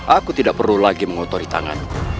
aku tidak perlu lagi mengotori tanganmu